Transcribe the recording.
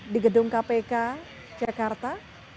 di gedung kpk jakarta